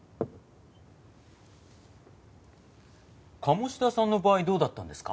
鴨志田さんの場合どうだったんですか？